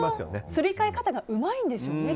すり替え方がうまいんでしょうね。